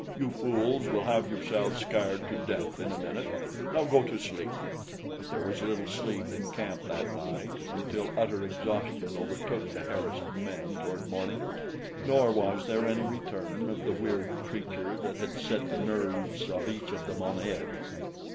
"You fools will have yourselves scared to death in a minute. Now go to sleep." But there was little sleep in camp that night until utter exhaustion overtook the harassed men toward morning; nor was there any return of the weird creature that had set the nerves of each of them on edge.